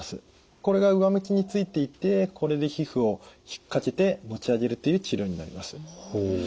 これが上向きについていてこれで皮膚を引っ掛けて持ち上げるという治療になります。